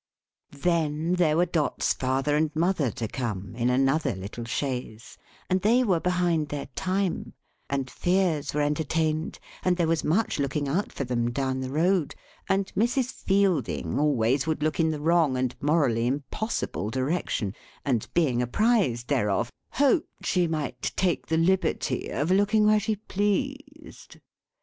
Then, there were Dot's father and mother to come, in another little chaise; and they were behind their time; and fears were entertained; and there was much looking out for them down the road; and Mrs. Fielding always would look in the wrong and morally impossible direction; and being apprised thereof, hoped she might take the liberty of looking where she pleased.